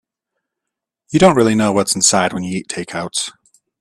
You don't really know what's inside when you eat takeouts.